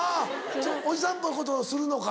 おじさんっぽいことをするのか。